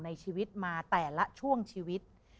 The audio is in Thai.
ในชีวิตมาแต่ละช่วงชีวิต